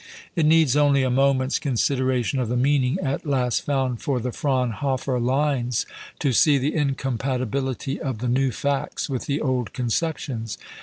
It needs only a moment's consideration of the meaning at last found for the Fraunhofer lines to see the incompatibility of the new facts with the old conceptions.